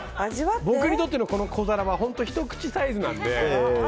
僕にとってのこの小皿はひと口サイズなので。